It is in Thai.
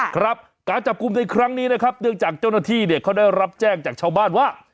ครับการจับกลุ่มในครั้งนี้นะครับเนื่องจากเจ้าหน้าที่เนี่ยเขาได้รับแจ้งจากชาวบ้านว่า